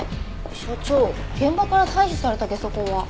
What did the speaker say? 所長現場から採取されたゲソ痕は？